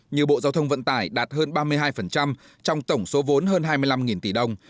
như bộ giao thông vận tải đạt hơn ba mươi hai trong tổng số vốn hơn hai mươi năm tỷ đồng